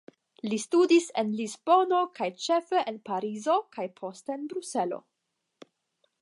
Li studis en Lisbono kaj ĉefe en Parizo kaj poste en Bruselo.